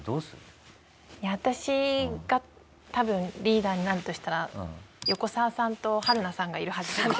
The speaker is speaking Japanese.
私が多分リーダーになるとしたら横澤さんと春菜さんがいるはずなんで。